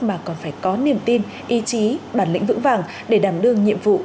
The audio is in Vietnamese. mà còn phải có niềm tin ý chí bản lĩnh vững vàng để đảm đương nhiệm vụ